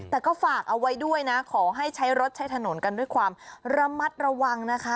แต่ก็ฝากเอาไว้ด้วยนะขอให้ใช้รถใช้ถนนกันด้วยความระมัดระวังนะคะ